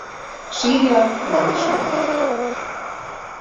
Sírja nem ismert.